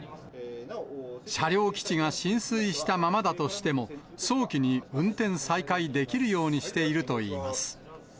車両基地が浸水したままだとしても、早期に運転再開できるようにしているといいます。